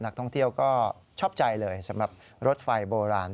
นักท่องเที่ยวก็ชอบใจเลยสำหรับรถไฟโบราณ